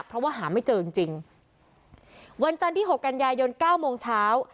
เพราะว่าหาไม่เจอจริงจริงวันจันทร์ที่หกกันยายนเก้าโมงเช้า